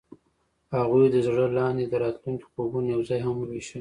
هغوی د زړه لاندې د راتلونکي خوبونه یوځای هم وویشل.